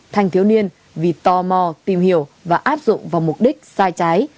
thành thiếu niên vì tò mò tìm hiểu và áp dụng vào mục đích sai trái